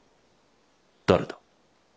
誰だ？